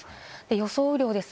予想雨量です。